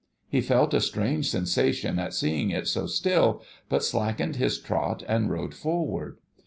He felt a strange sensation at seeing it so still, but slackened his trot and rode forward.